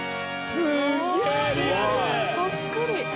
そっくり。